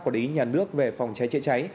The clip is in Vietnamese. quản lý nhà nước về phòng cháy chế cháy